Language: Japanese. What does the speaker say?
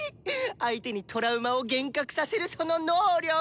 相手にトラウマを幻覚させるその能力！